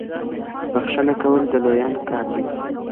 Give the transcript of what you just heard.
بخښنه کول د لويانو کار دی.